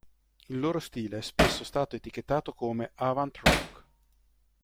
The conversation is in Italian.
Il loro stile è spesso stato etichettato come "avant rock.